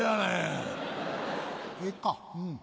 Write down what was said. おええか。